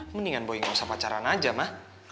mendingan boy gak usah pacaran aja ma